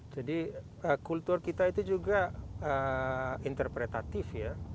jadi kultur kita itu juga interpretatif